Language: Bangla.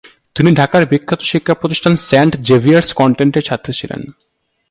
তিনি ঢাকার বিখ্যাত শিক্ষা প্রতিষ্ঠান সেন্ট জেভিয়ার্স কনভেন্ট-এর ছাত্রী ছিলেন।